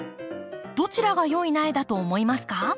どちらが良い苗だと思いますか？